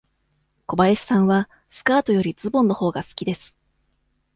小林さんはスカートよりズボンのほうが好きです。